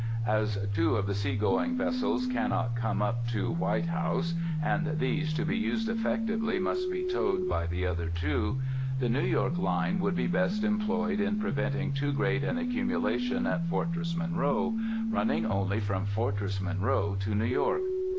As two of the sea going vessels cannot come up to White House, and these, to be used effectively, must be towed by the other two, the New York line would be best employed in preventing too great an accumulation at Fortress Monroe,—running only from Fortress Monroe to New York.